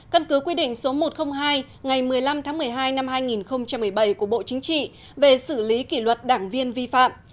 căn cứ quy định số một trăm linh hai ngày một mươi năm tháng một mươi hai năm hai nghìn một mươi bảy của bộ chính trị về xử lý kỷ luật đảng viên vi phạm